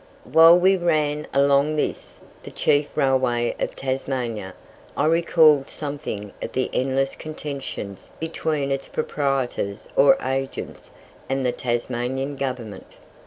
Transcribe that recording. While we ran along this, the chief railway of Tasmania, I recalled something of the endless contentions between its proprietors or agents and the Tasmanian Government.